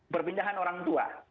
perpindahan orang tua